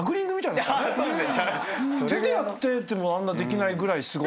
手でやっててもあんなできないぐらいすごい。